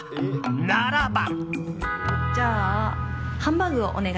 ならば。